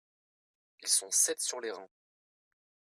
ils sont sept sur les rangs.